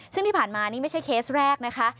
ซึ่งที่ผ่านมานี่ไม่ใช่เคสแรกนะคะ